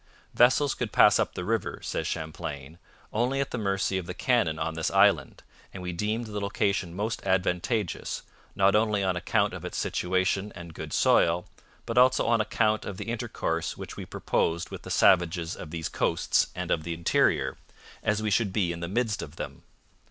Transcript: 'Vessels could pass up the river,' says Champlain, 'only at the mercy of the cannon on this island, and we deemed the location most advantageous, not only on account of its situation and good soil, but also on account of the intercourse which we proposed with the savages of these coasts and of the interior, as we should be in the midst of them.